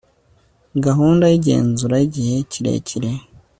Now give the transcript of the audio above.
gahunda y igenzura y igihe kirekire